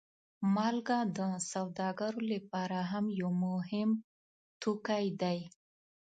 مالګه د سوداګرو لپاره هم یو مهم توکی دی.